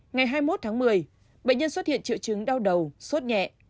ngày hai mươi một tháng một mươi bệnh nhân xuất hiện triệu chứng đau đầu suốt nhẹ